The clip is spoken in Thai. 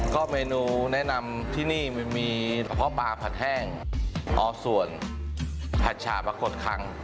ก็เมนูแนะนำที่นี่มีเฉพาะปลาผัดแห้งเอาส่วนผัดฉามากดขัง